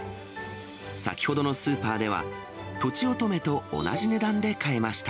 先ほどのスーパーでは、とちおとめと同じ値段で買えました。